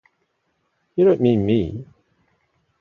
You don't mean me?